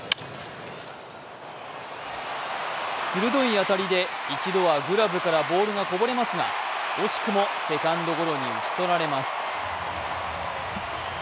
鋭い当たりで一度はグラブからボールがこぼれますが、惜しくもセカンドゴロに打ち取られます。